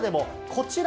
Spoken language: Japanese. こちら？